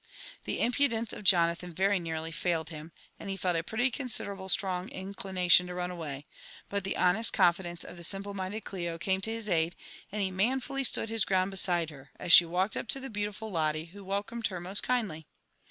The impudence of Jonathan very nearly failed him, and he felt a pretty considerably strong inclination to run away ; but the honest con fidence of the simple minded Oio came to his aid, and he manfully stood his ground beside her, as she walked up to the beautiful Lotte, who welcomed her most kindly.